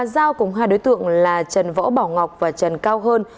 giao cùng hai đối tượng là trần võ bảo ngọc và trần cao hơn